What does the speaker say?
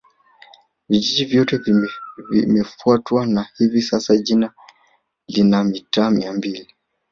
Vijiji vyote vimefutwa na hivi sasa Jiji lina mitaa Mia mbili